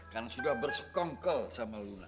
karena sudah bersekongkel sama luna